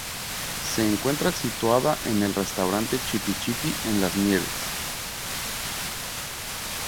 Se encuentra situada en el restaurante Chipi-Chipi, en Las Nieves.